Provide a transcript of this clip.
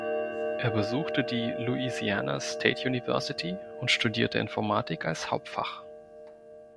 Er besuchte die Louisiana State University und studierte Informatik als Hauptfach.